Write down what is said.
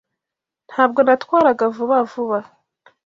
Ntabwo natwaraga vuba vuba.